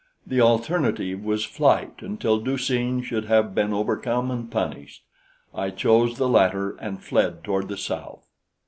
The alternative was flight until Du seen should have been overcome and punished. I chose the latter and fled toward the south.